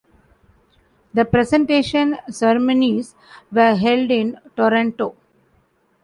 The presentation ceremonies were held in Toronto.